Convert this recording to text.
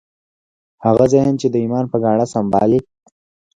هغه ذهن چې د ایمان په ګاڼه سمبال وي